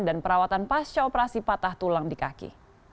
dan perawatan pasca operasi patah tulang di kaki